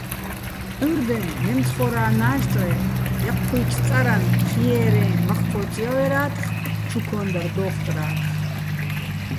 ჺურდეჼ მემცხორა́ ნა́ჟტრე ჲაჴჴუ́ჲჩო̆ წარან ხიე́რეჼ მაქ ჴო́წჲოერა́თხ, ჩუ ქო́ნდარ დო́ხკრათხ.